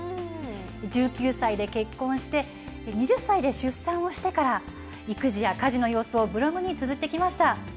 １９歳で結婚して、２０歳で出産をしてから、育児や家事の様子をブログにつづってきました。